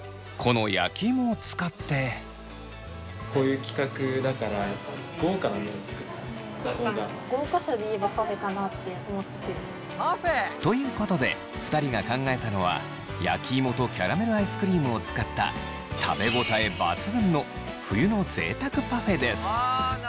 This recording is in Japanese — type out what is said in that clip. こういう企画だからということで２人が考えたのは焼きいもとキャラメルアイスクリームを使った食べ応え抜群の冬のぜいたくパフェです。